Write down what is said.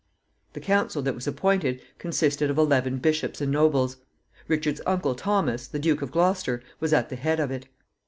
The council that was appointed consisted of eleven bishops and nobles. Richard's uncle Thomas, the Duke of Gloucester, was at the head of it.